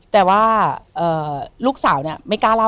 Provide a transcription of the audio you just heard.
แต่ว่าลูกสาวไม่กล้าเล่า